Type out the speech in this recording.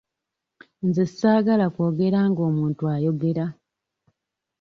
Nze ssaagala kwogera nga omuntu ayogera.